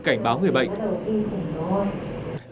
cảnh báo người bệnh